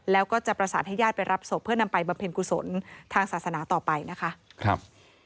แล้วก็จะประสานให้ญาติไปรับศพเพื่อนำไปบำเพ็ญกุศลทางศาสนาต่อไปนะคะครับ